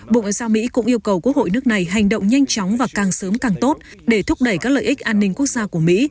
bộ ngoại giao mỹ cũng yêu cầu quốc hội nước này hành động nhanh chóng và càng sớm càng tốt để thúc đẩy các lợi ích an ninh quốc gia của mỹ